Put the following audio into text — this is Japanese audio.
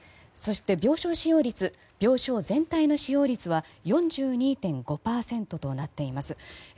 そして、病床使用率病床全体の使用率は４２．５％となっています。